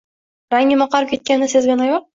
Rangim oqarib ketganini sezgan ayol